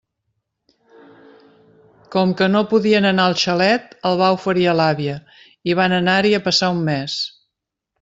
Com que no podien anar al xalet, el va oferir a l'àvia, i vam anar-hi a passar un mes.